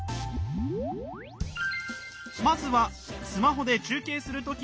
まずはスマホで中継する時の準備から。